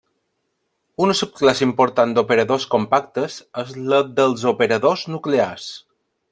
Una subclasse important d'operadors compactes és la dels operadors nuclears.